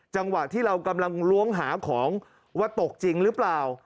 จังหวะที่เรากำลังล้วงหาของว่าตกจริงหรือเปล่า